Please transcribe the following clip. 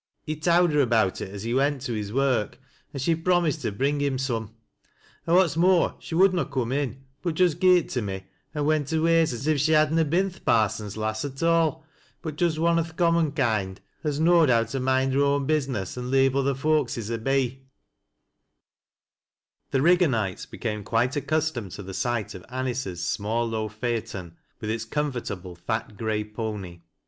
He'd towd her about it as he went to his work, and she promised to bring him some. An' what's more, she wouldna coora in, but just gi' it me, an' went her ways, as if she had na been th' Parson's lass at aw, but just one o' th' common koiud as knowd how to moind her own business an' leave other folkses a be." NIB AND BIB MAST EH MAKE A CALL. §7 The Rigganites became quite accustomed to the sight ol Anice's small low phaeton, with its comfortable fat gray pony.